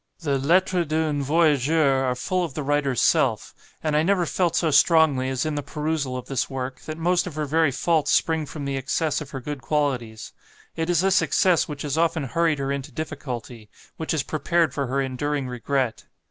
The 'Lettres d'un Voyageur' are full of the writer's self; and I never felt so strongly, as in the perusal of this work, that most of her very faults spring from the excess of her good qualities: it is this excess which has often hurried her into difficulty, which has prepared for her enduring regret.